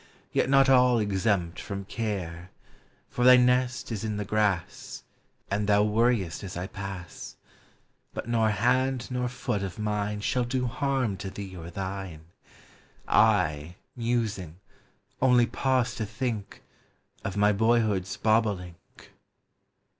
315 Yet not all exempt from care, For thy nest is in the grass, And thou worriest as I pass; But nor hand nor foot of mine Shall do harm to thee or thine; I, musing, only pause to think Of my boyhood's bobolink.